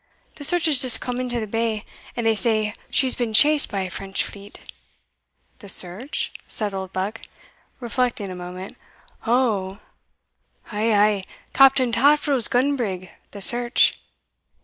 The Search has just come into the bay, and they say she's been chased by a French fleet. "The Search?" said Oldbuck, reflecting a moment. "Oho!" "Ay, ay, Captain Taffril's gun brig, the Search."